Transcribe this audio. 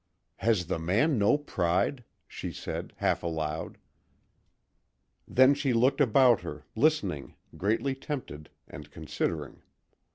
"Has the man no pride?" she said, half aloud. Then she looked about her, listening, greatly tempted, and considering.